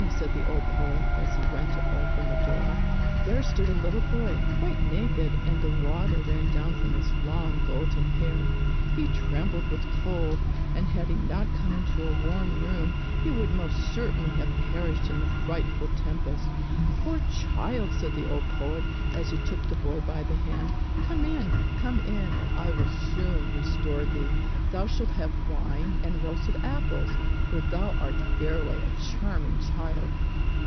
said the old poet, as he went to open the door. There stood a little boy, quite naked, and the water ran down from his long golden hair; he trembled with cold, and had he not come into a warm room he would most certainly have perished in the frightful tempest. "Poor child!" said the old poet, as he took the boy by the hand. "Come in, come in, and I will soon restore thee! Thou shalt have wine and roasted apples, for thou art verily a charming child!"